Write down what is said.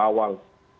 dan kemudian ada mencari